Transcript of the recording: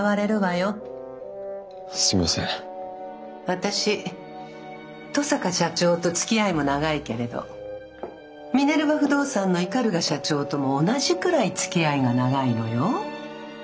私登坂社長とつきあいも長いけれどミネルヴァ不動産の鵤社長とも同じくらいつきあいが長いのよ。